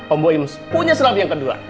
om nooyim punya sulap yang kedua